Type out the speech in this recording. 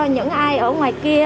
những ai ở ngoài kia